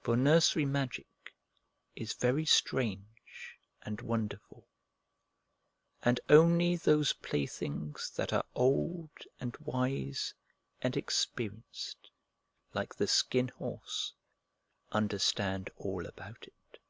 For nursery magic is very strange and wonderful, and only those playthings that are old and wise and experienced like the Skin Horse understand all about it.